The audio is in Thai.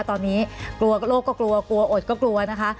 ตอนนี้กลัวโรคก็กลัวกลัวอดก็กลัวนะคะ